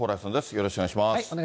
よろしくお願いします。